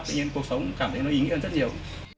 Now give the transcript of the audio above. tuy nhiên cuộc sống cảm thấy nó ý nghĩa hơn rất nhiều